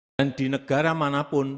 dan di negara manapun